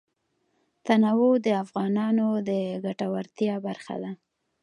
تنوع د افغانانو د ګټورتیا برخه ده.